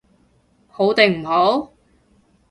好定唔好？